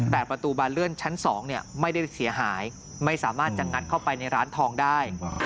แต่ประตูบานเลื่อนชั้น๒ไม่ได้เสียหายไม่สามารถจะงัดเข้าไปในร้านทองได้